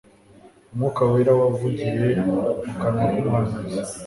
Umwuka Wera yavugiye mu kanwa k’umuhanuzi